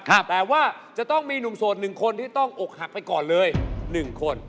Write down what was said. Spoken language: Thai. แต่ว่าจะต้องมีหนุ่มโสดหนึ่งคนที่ต้องอกหักไปก่อนเลย๑คน